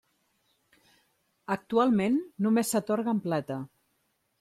Actualment només s'atorga en plata.